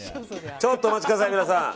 ちょっとお待ちください、皆さん。